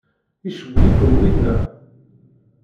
Icewwel-iken winna?